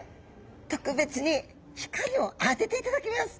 特別に光を当てていただきます。